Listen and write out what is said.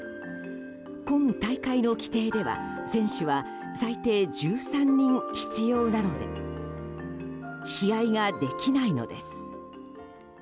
今大会の規定では選手は最低１３人必要なので試合ができないのです。